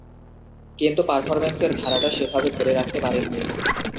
কিন্তু পারফরম্যান্সের ধারাটা সেভাবে ধরে রাখতে পারেননি।